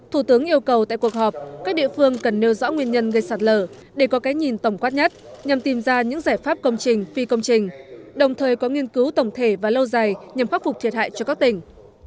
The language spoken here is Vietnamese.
thủ tướng yêu cầu tại cuộc họp các địa phương cần nêu rõ nguyên nhân gây sạt lở để có cái nhìn tổng quát nhất nhằm tìm ra những giải pháp công trình phi công trình đồng thời có nghiên cứu tổng thể và lâu dài nhằm khắc phục thiệt hại cho các tỉnh